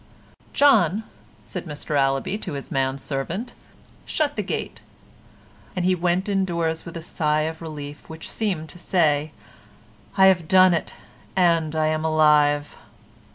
"John," said Mr Allaby to his man servant, "shut the gate;" and he went indoors with a sigh of relief which seemed to say: "I have done it, and I am alive."